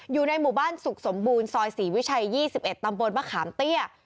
อยู่ในหมู่บ้านสุขสมบูรณ์ซอยศรีวิชัย๒๑ตำบลมะขามเตี้ย